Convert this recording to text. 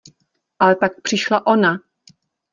Ale pak přišla ona!